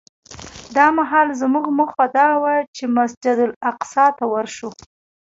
دا مهال زموږ موخه دا وه چې مسجد اقصی ته ورشو.